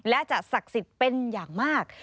และจะศักดิ์สิทธิ์เป็นอย่างมาก